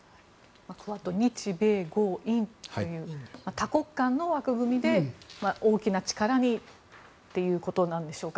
クアッド、日米豪印という多国間の枠組みで大きな力にということなんでしょうか。